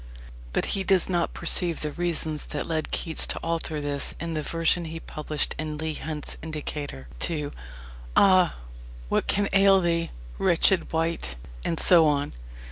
But he does not perceive the reasons that led Keats to alter this in the version he published in Leigh Hunt's Indicator to: Ah, what can ail thee, wretched wight, and so on.